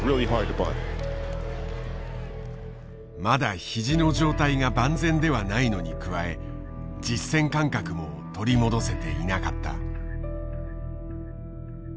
まだ肘の状態が万全ではないのに加え実戦感覚も取り戻せていなかった。